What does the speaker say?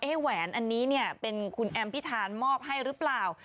เอ๊ะแหวนอันนี้เป็นคุณแอมพิธานมอบให้หรือเปล่า